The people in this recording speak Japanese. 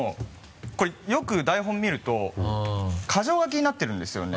これよく台本見ると箇条書きになってるんですよね。